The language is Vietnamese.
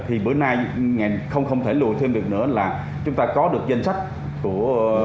thì bữa nay không thể lùi thêm việc nữa là chúng ta có được danh sách của